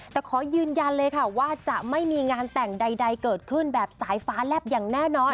แต่ขอยืนยันเลยค่ะว่าจะไม่มีงานแต่งใดเกิดขึ้นแบบสายฟ้าแลบอย่างแน่นอน